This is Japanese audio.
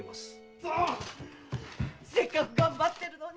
クソーッ‼せっかく頑張ってるのに。